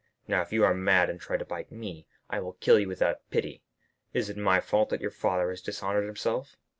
Now, if you are mad and try to bite me, I will kill you without pity. Is it my fault that your father has dishonored himself?"